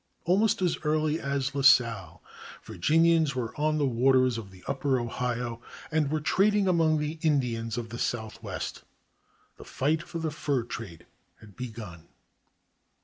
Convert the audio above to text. Almost as early as Lasalle, Virginians were on the waters of the Upper Ohio, and were trading among the Indians of the Southwest. The fight for the fur trade had begun.